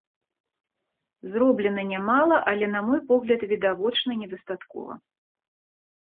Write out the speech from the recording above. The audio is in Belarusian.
Зроблена нямала, але, на мой погляд, відавочна недастаткова.